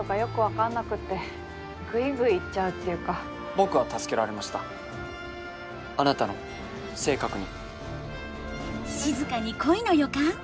僕は助けられましたあなたの性格に。